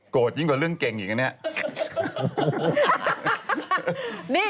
โกฎยิ่งกว่าเรื่องเกงอีกแล้วเนี่ย